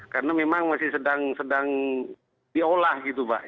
karena memang masih sedang diolah gitu pak